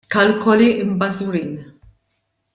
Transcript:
Kalkoli mbażwrin!